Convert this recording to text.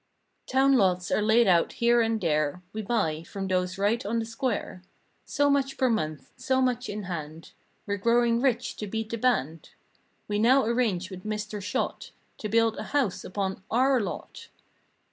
Town lots are laid out here and there— 241 We buy, from those right on the square: So much per month—so much in hand; We're growing rich to beat the band. We now arrange with Mr. Shott To build a house upon our lot.